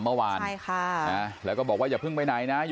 พี่โน้นหาเชื่อมูกมือให้หน่อย